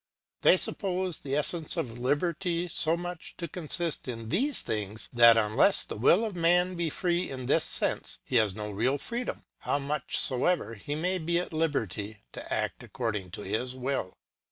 They suppose the es sence of liberty so much to consist in these things, that unless the will of man be free in this sense, he has no real freedom, how much soever he may be at liberty to act according to his will.